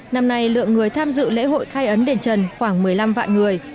năm nay lượng người tham dự lễ hội khai ấn đền trần khoảng một mươi năm vạn người